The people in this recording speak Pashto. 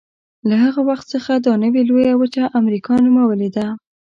له هغه وخت څخه دا نوې لویه وچه امریکا نومولې ده.